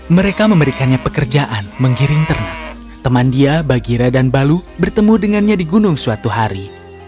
mereka memberikannya pekerjaan menggiring ternak teman dia bagira dan balu bertemu dengannya di gunung suatu hari